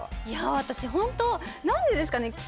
いやあ私本当なんでですかね？